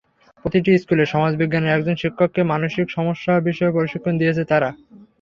প্রতিটি স্কুলের সমাজবিজ্ঞানের একজন শিক্ষককে মানিসক সমস্যা বিষয়ে প্রশিক্ষণ দিয়েছে তারা।